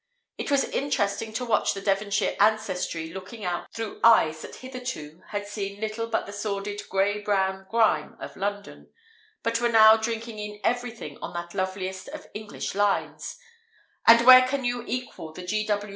It was interesting to watch the Devonshire ancestry looking out through eyes that hitherto had seen little but the sordid grey brown grime of London, but were now drinking in everything on that loveliest of English lines—and where can you equal the G.